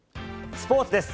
スポーツです。